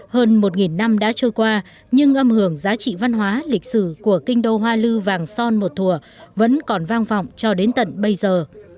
hơn một năm đã trôi qua nhưng âm hưởng giá trị văn hóa lịch sử của kinh đô hoa lư vàng son một thùa vẫn còn vang vọng cho đến tận bây giờ